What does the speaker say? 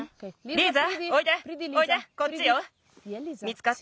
リーザ。